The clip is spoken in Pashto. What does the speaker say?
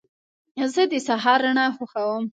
زه د سهار رڼا خوښوم.